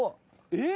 えっ？